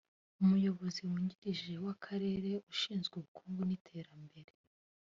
umuyobozi w’ungirije w’Akarere ushinzwe ubukungu n’iterambere